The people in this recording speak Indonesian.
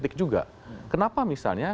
politik juga kenapa misalnya